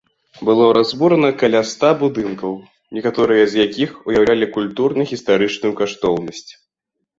Было разбурана каля ста будынкаў, некаторыя з якіх уяўлялі культурна-гістарычную каштоўнасць.